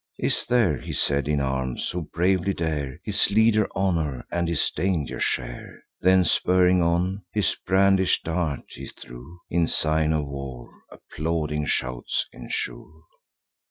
"Is there," he said, "in arms, who bravely dare His leader's honour and his danger share?" Then spurring on, his brandish'd dart he threw, In sign of war: applauding shouts ensue.